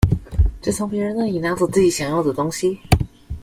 只從別人那裡拿走自己想要的東西